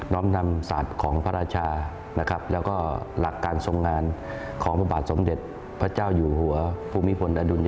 ้อมนำศาสตร์ของพระราชานะครับแล้วก็หลักการทรงงานของพระบาทสมเด็จพระเจ้าอยู่หัวภูมิพลอดุล